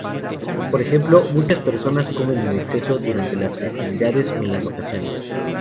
Por ejemplo, muchas personas comen en exceso durante las festividades o en las vacaciones.